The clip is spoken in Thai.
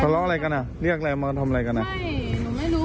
เขาเล่าอะไรกันอ่ะเรียกอะไรมาทำอะไรกันอ่ะใช่หนูไม่รู้